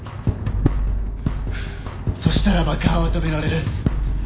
そしたら爆破は止められる。